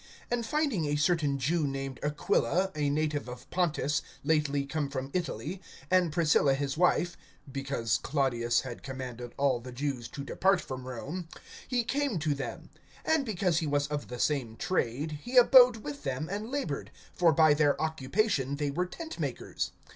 (2)And finding a certain Jew named Aquila, a native of Pontus, lately come from Italy, and Priscilla his wife (because Claudius had commanded all the Jews to depart from Rome), he came to them; (3)and because he was of the same trade, he abode with them, and labored; for by their occupation they were tentmakers.